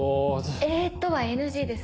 「えっと」はＮＧです。